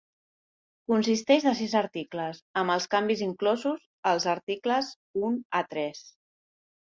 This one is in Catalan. Consisteix de sis articles, amb els canvis inclosos als articles un a tres.